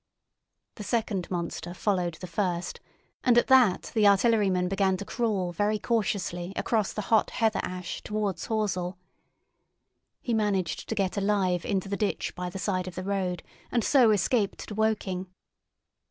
The second monster followed the first, and at that the artilleryman began to crawl very cautiously across the hot heather ash towards Horsell. He managed to get alive into the ditch by the side of the road, and so escaped to Woking.